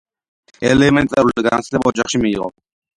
ელემენტარული განათლება ოჯახში მიიღო.